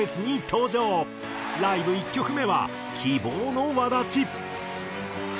ライブ１曲目は『希望の轍』。